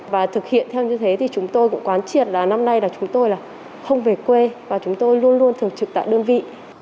và thực hiện theo như thế thì chúng tôi cũng quán triệt là năm nay là chúng tôi là không về quê và chúng tôi luôn luôn thường trực tại đơn vị